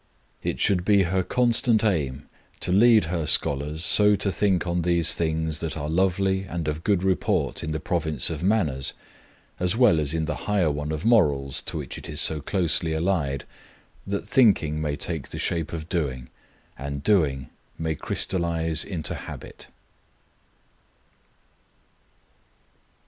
It should be her constant aim to lead her scholars so to think on these things that are lovely and of good report in the province of manners, as well as in the higher one of morals, to which it is so closely allied, that thinking may take the shape of doing, and doing may crystallize into habit.